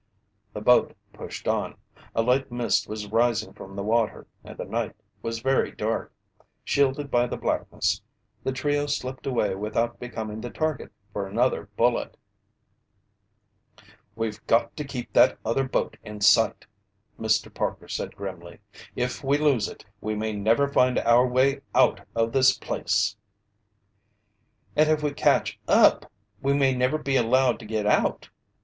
The boat pushed on. A light mist was rising from the water and the night was very dark. Shielded by the blackness, the trio slipped away without becoming the target for another bullet. "We've got to keep that other boat in sight!" Mr. Parker said grimly. "If we lose it, we may never find our way out of this place!" "And if we catch up, we may never be allowed to get out!"